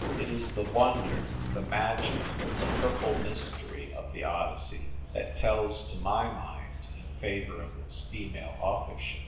It is the wonder, the magic, the pu/ple mystery, of the Odyssey that tells to rny mind in favour of its female authorship.